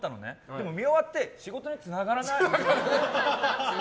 でも見終わって仕事につながらない。